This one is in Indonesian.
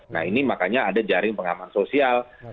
nah ini makanya ada jaring pengaman sosial